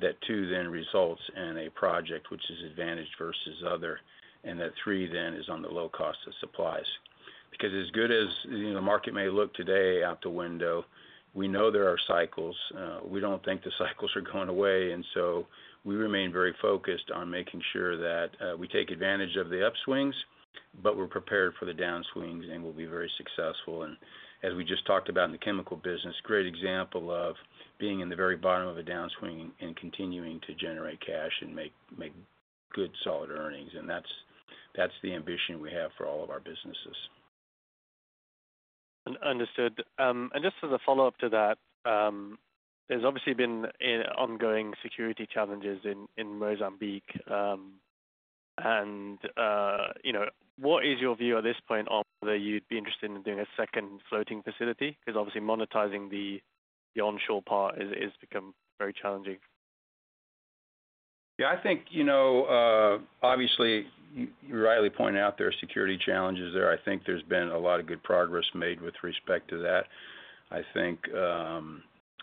that two, then results in a project which is advantaged versus other, and that three, then is on the low cost of supplies. Because as good as, you know, the market may look today out the window, we know there are cycles. We don't think the cycles are going away, and so we remain very focused on making sure that we take advantage of the upswings, but we're prepared for the downswings and will be very successful. And as we just talked about in the chemical business, great example of being in the very bottom of a downswing and continuing to generate cash and make good, solid earnings. And that's the ambition we have for all of our businesses. Understood. Just as a follow-up to that, there's obviously been an ongoing security challenges in Mozambique. And, you know, what is your view at this point on whether you'd be interested in doing a second floating facility? Because obviously monetizing the onshore part has become very challenging. Yeah, I think, you know, obviously, you rightly pointed out there are security challenges there. I think there's been a lot of good progress made with respect to that. I think,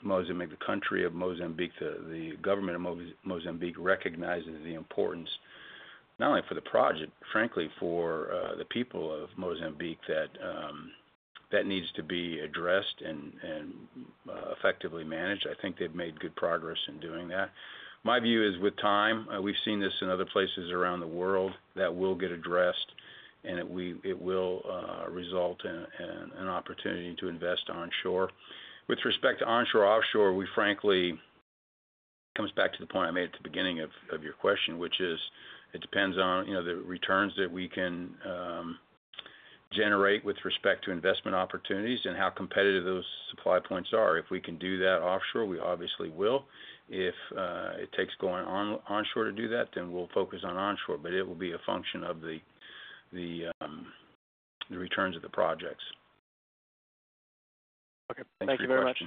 Mozambique, the country of Mozambique, the government of Mozambique recognizes the importance, not only for the project, frankly, for, the people of Mozambique, that that needs to be addressed and, and, effectively managed. I think they've made good progress in doing that. My view is with time, we've seen this in other places around the world, that will get addressed, and it will result in an opportunity to invest onshore. With respect to onshore, offshore, we frankly... comes back to the point I made at the beginning of your question, which is, it depends on, you know, the returns that we can generate with respect to investment opportunities and how competitive those supply points are. If we can do that offshore, we obviously will. If it takes going onshore to do that, then we'll focus on onshore, but it will be a function of the returns of the projects. Okay. Thank you very much.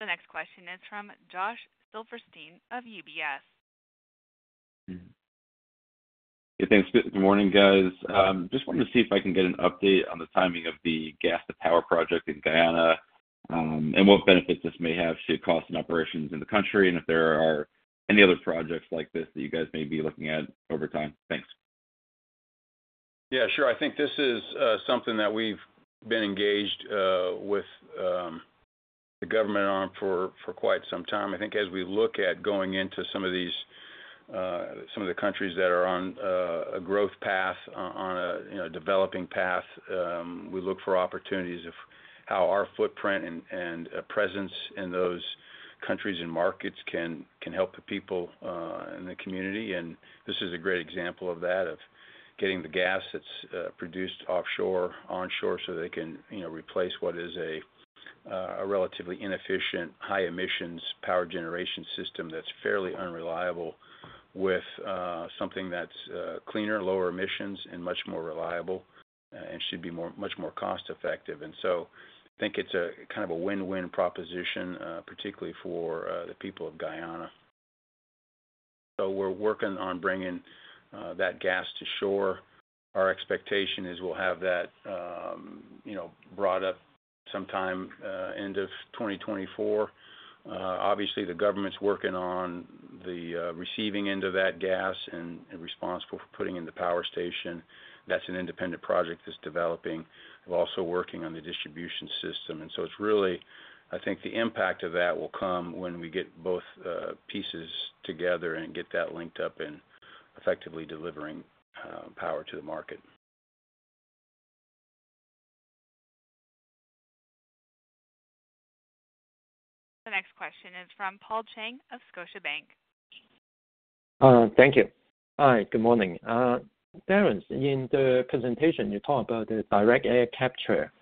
The next question is from Josh Silverstein of UBS. Yeah, thanks. Good morning, guys. Just wanted to see if I can get an update on the timing of the gas-to-power project in Guyana, and what benefits this may have to costs and operations in the country, and if there are any other projects like this that you guys may be looking at over time? Thanks. Yeah, sure. I think this is something that we've been engaged with the government on for quite some time. I think as we look at going into some of these some of the countries that are on a growth path, on a, you know, developing path, we look for opportunities of how our footprint and presence in those countries and markets can help the people in the community. And this is a great example of that, of getting the gas that's produced offshore, onshore, so they can, you know, replace what is a relatively inefficient, high emissions power generation system that's fairly unreliable with something that's cleaner, lower emissions and much more reliable, and should be much more cost-effective. I think it's a kind of a win-win proposition, particularly for the people of Guyana. We're working on bringing that gas to shore. Our expectation is we'll have that, you know, brought up sometime end of 2024. Obviously, the government's working on the receiving end of that gas and responsible for putting in the power station. That's an independent project that's developing. We're also working on the distribution system. It's really, I think the impact of that will come when we get both pieces together and get that linked up and effectively delivering power to the market. The next question is from Paul Cheng of Scotiabank. Thank you. Hi, good morning. Darren, in the presentation, you talked about the Direct Air Capture.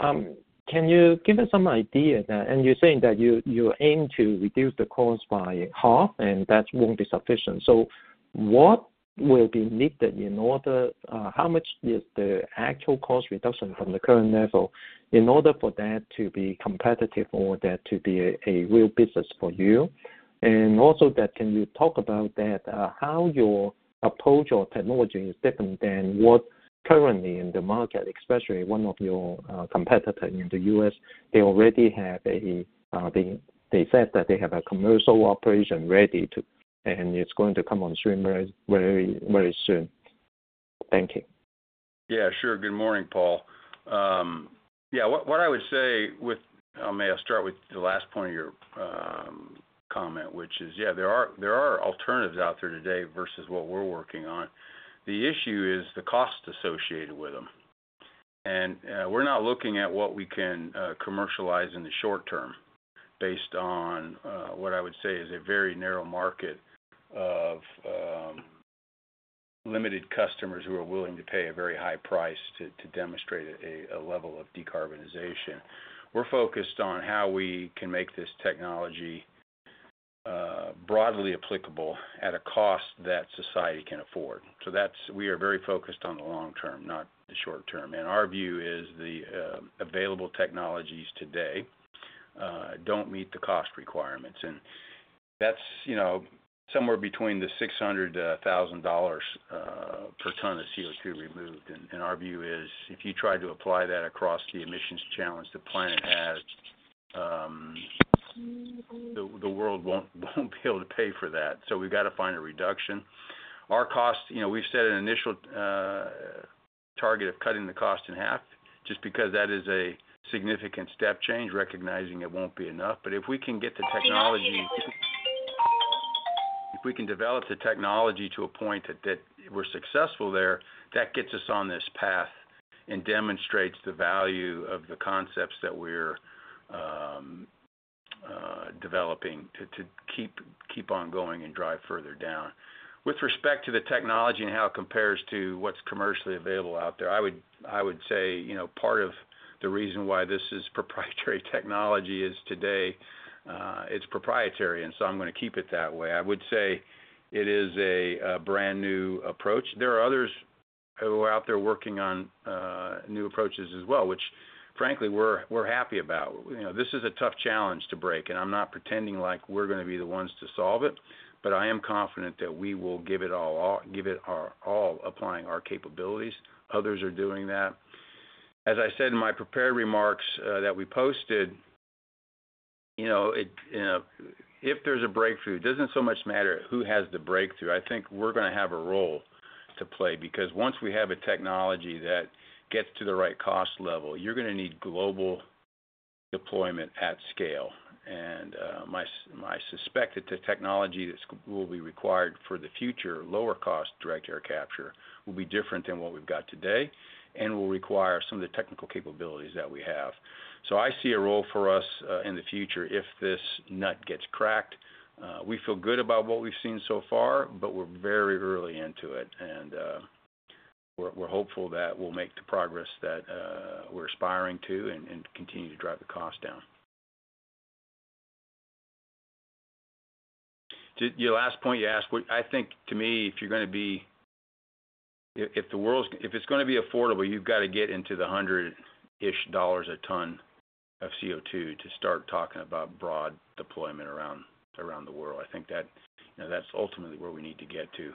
Can you give us some idea and you're saying that you aim to reduce the cost by half, and that won't be sufficient. So what will be needed in order, how much is the actual cost reduction from the current level in order for that to be competitive or that to be a real business for you? And also that can you talk about that, how your approach or technology is different than what's currently in the market, especially one of your competitor in the US? They already have a, they said that they have a commercial operation ready to, and it's going to come on stream very, very, very soon. Thank you. Yeah, sure. Good morning, Paul. Yeah, what I would say, may I start with the last point of your comment, which is, yeah, there are alternatives out there today versus what we're working on. The issue is the cost associated with them. And, we're not looking at what we can commercialize in the short term based on what I would say is a very narrow market of limited customers who are willing to pay a very high price to demonstrate a level of decarbonization. We're focused on how we can make this technology broadly applicable at a cost that society can afford. So that's, we are very focused on the long term, not the short term. And our view is the available technologies today don't meet the cost requirements. And that's, you know, somewhere between $600-$1,000 per ton of CO2 removed. And our view is, if you try to apply that across the emissions challenge the planet has, the world won't be able to pay for that. So we've got to find a reduction. Our cost, you know, we've set an initial target of cutting the cost in 1/2, just because that is a significant step change, recognizing it won't be enough. But if we can get the technology, if we can develop the technology to a point that we're successful there, that gets us on this path and demonstrates the value of the concepts that we're developing to keep on going and drive further down. With respect to the technology and how it compares to what's commercially available out there, I would say, you know, part of the reason why this is proprietary technology is today, it's proprietary, and so I'm gonna keep it that way. I would say it is a brand-new approach. There are others who are out there working on new approaches as well, which frankly, we're happy about. You know, this is a tough challenge to break, and I'm not pretending like we're gonna be the ones to solve it, but I am confident that we will give it our all, applying our capabilities. Others are doing that. As I said in my prepared remarks that we posted, you know, if there's a breakthrough, it doesn't so much matter who has the breakthrough. I think we're gonna have a role to play, because once we have a technology that gets to the right cost level, you're gonna need global deployment at scale. I suspect that the technology that'll be required for the future, lower cost, direct air capture, will be different than what we've got today and will require some of the technical capabilities that we have. So I see a role for us in the future if this nut gets cracked. We feel good about what we've seen so far, but we're very early into it, and we're hopeful that we'll make the progress that we're aspiring to and continue to drive the cost down. To your last point you asked, what I think to me, if you're gonna be, if the world's, if it's gonna be affordable, you've got to get into the $100-ish a ton of CO2 to start talking about broad deployment around the world. I think that, you know, that's ultimately where we need to get to.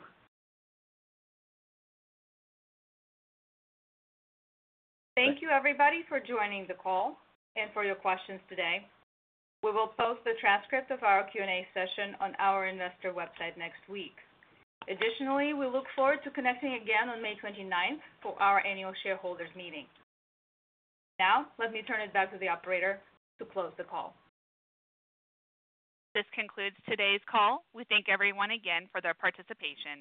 Thank you, everybody, for joining the call and for your questions today. We will post the transcript of our Q&A session on our investor website next week. Additionally, we look forward to connecting again on May 29th for our annual shareholders meeting. Now, let me turn it back to the operator to close the call. This concludes today's call. We thank everyone again for their participation.